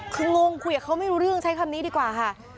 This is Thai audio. คืองงคุยกับเขาไม่รู้เรื่องใช้คำนี้ดีกว่าค่ะ